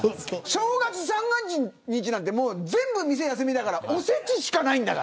正月三が日は全部店がお休みだから、おせちしかない。